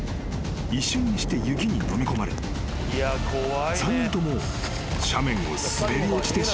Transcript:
［一瞬にして雪にのみ込まれ３人とも斜面を滑り落ちてしまっていたのだ］